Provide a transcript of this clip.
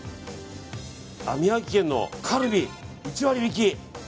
宮城県のカルビ、１割引き。